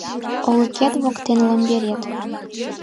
Олыкет воктен ломберет